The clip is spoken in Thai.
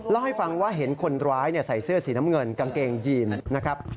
เล่าให้ฟังว่าเห็นคนร้ายใส่เสื้อสีน้ำเงินกางเกงยีนนะครับ